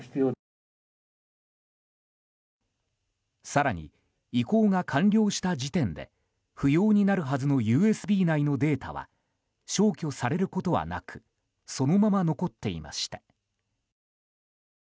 更に、移行が完了した時点で不要になるはずのＵＳＢ内のデータは消去されることはなくそのまま残っていました。